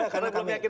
karena belum yakin